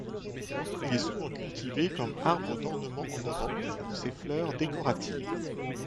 Il est souvent cultivé comme arbre d'ornement en Europe pour ses fleurs décoratives.